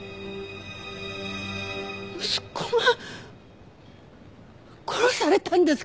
息子が殺されたんですか！？